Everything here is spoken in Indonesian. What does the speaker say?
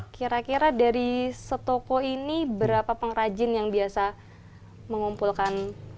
kira kira dari setoko ini berapa pengrajin yang biasa mengumpulkan